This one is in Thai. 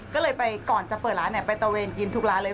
ก็เลยไปก่อนจะเปิดร้านไปตะเวนกินทุกร้านเลย